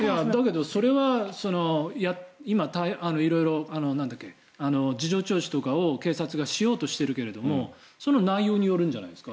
それは今色々、事情聴取とかを警察がしようとしているけれどもその内容によるんじゃないですか？